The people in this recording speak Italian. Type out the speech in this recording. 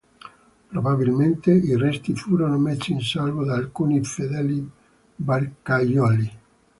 Probabilmente, i resti furono messi in salvo da alcuni fedeli barcaioli.